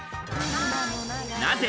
なぜ？